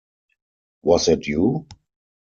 Was that you?